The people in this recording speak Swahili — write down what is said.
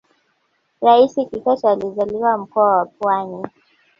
raisi kikwete alizaliwa mkoa wa pwani